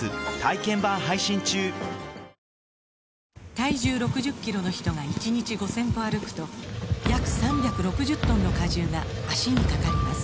体重６０キロの人が１日５０００歩歩くと約３６０トンの荷重が脚にかかります